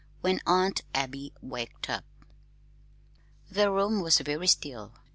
When Aunt Abby Waked Up The room was very still.